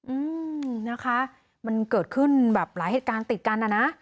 อืมนะคะมันเกิดขึ้นแบบหลายเหตุการณ์ติดกันอ่ะนะ